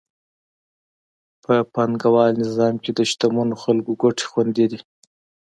په پانګوال نظام کې د شتمنو خلکو ګټې خوندي دي.